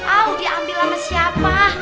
aw diambil sama siapa